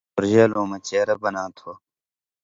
ݜُو عِلماں پورژیلؤں مہ چیرہ بناں تھو